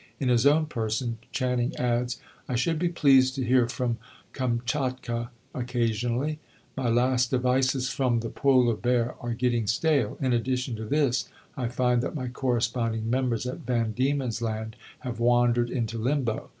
In his own person Channing adds: "I should be pleased to hear from Kamchatka occasionally; my last advices from the Polar Bear are getting stale. In addition to this I find that my corresponding members at Van Diemen's Land have wandered into limbo.